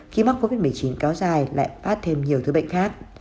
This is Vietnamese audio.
khi mắc covid một mươi chín kéo dài lại phát thêm nhiều thứ bệnh khác